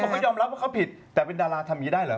เขาก็ยอมรับว่าเขาผิดแต่เป็นดาราทำอย่างนี้ได้เหรอ